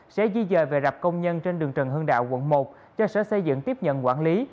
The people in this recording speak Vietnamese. sẽ di dời về rạp công nhân trên đường trần hưng đạo quận một cho sở xây dựng tiếp nhận quản lý